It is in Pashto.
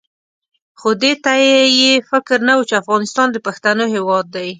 خو دې ته یې فکر نه وو چې افغانستان د پښتنو هېواد دی.